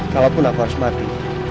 kalaupun aku harus mati